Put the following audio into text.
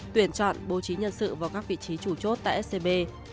tuyển chọn bố trí nhân sự vào các vị trí chủ chốt tại scb